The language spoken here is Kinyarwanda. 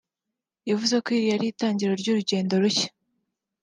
yavuze ko iri ari itangiriro ry’urugendo rushya